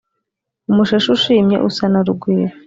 umushashi ushimye usa na rugwiro.